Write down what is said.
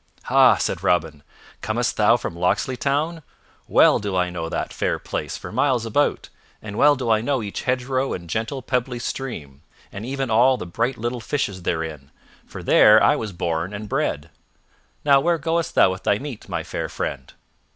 "Ha," said Robin, "comest thou from Locksley Town? Well do I know that fair place for miles about, and well do I know each hedgerow and gentle pebbly stream, and even all the bright little fishes therein, for there I was born and bred. Now, where goest thou with thy meat, my fair friend?"